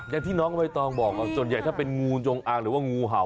อย่างที่น้องใบตองบอกส่วนใหญ่ถ้าเป็นงูจงอางหรือว่างูเห่า